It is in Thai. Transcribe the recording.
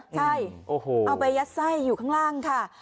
ใช่เอาไปยัดไส้อยู่ข้างล่างค่ะ